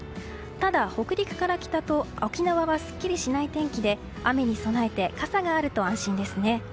ただ、北陸から北と沖縄はすっきりしない天気で雨に備えて傘があると安心ですね。